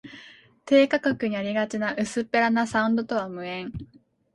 低価格にありがちな薄っぺらなサウンドとは無縁